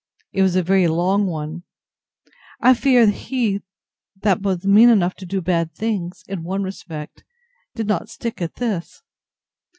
It was a very long one. I fear, he that was mean enough to do bad things, in one respect, did not stick at this.